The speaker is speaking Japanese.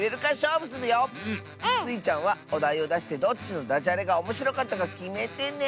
スイちゃんはおだいをだしてどっちのダジャレがおもしろかったかきめてね。